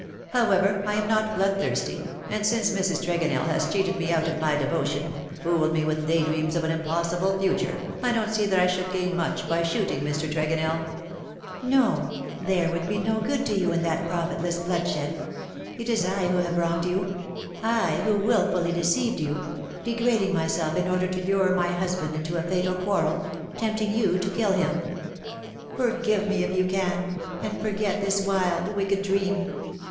How ever, I am not bloodthirsty, and since Mrs. Tregonell has cheated me out of my devotion, fooled me with day dreams of an impossible future, I don^t see that I should gain much by shooting Mr. Tregonell." "No, there would be no good to you in that profitless bloodshed. It is I who have wronged 284 cc SHE STOOD UP IN BITTER CASE^ you — I who wilfully deceived you — degrading my self in order to lure my husband into a fatal quarrel — tempting you to kill him. Forgive me, if you can — and forget this wild wicked dream.